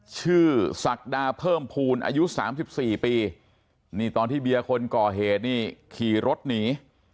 ชื่อศักดาเพิ่มภูลอายุ๓๔ปีตอนที่เบียคนก่อเหตุขี่รถหนี